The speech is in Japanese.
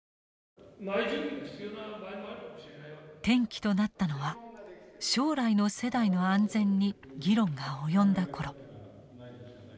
転機となったのは将来の世代の安全に議論が及んだ頃。